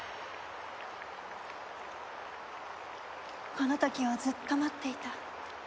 この時をずっと待っていた。